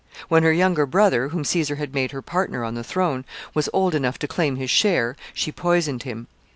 When her young brother, whom Caesar had made her partner on the throne, was old enough to claim his share, she poisoned him.